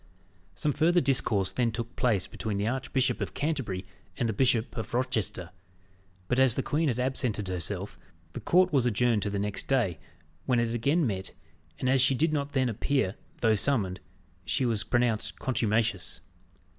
Some further discourse then took place between the Archbishop of Canterbury and the Bishop of Rochester; but as the queen had absented herself, the court was adjourned to the next day, when it again met, and as she did not then appear, though summoned, she was pronounced contumacious.